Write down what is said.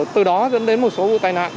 từ đó dẫn đến một số vụ tai nạn